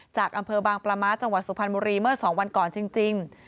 จากอำเภอบางปลาม้าจังหวัดสุพรรณบุรีเมื่อ๒วันก่อนจริง